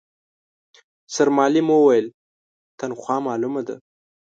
سرمعلم وويل، تنخوا مالومه ده.